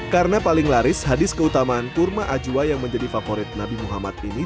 karena paling laris hadis keutamaan kurma acua yang menjadi favorit nabi muhammad ini